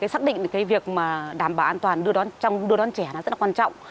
xác định việc đảm bảo an toàn trong đưa đón trẻ rất quan trọng